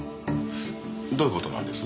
どういう事なんです？